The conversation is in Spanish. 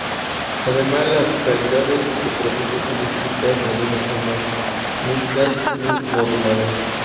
Además las calidades que produce son distintas, las líneas son más nítidas y moduladas.